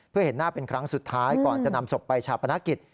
เพื่อเห็นหน้าเป็นครั้งสุดท้ายก่อนจะนำศพไปชาปนกิจ